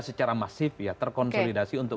secara masif terkonsolidasi untuk